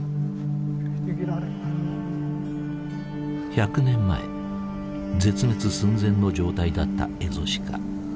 １００年前絶滅寸前の状態だったエゾシカ。